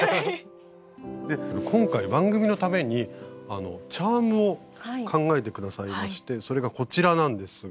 で今回番組のためにチャームを考えて下さいましてそれがこちらなんですが。